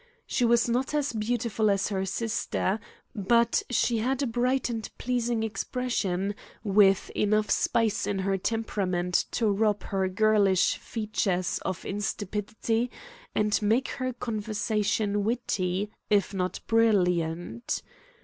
She was not as beautiful as her sister, but she had a bright and pleasing expression with enough spice in her temperament to rob her girlish features of insipidity and make her conversation witty, if not brilliant.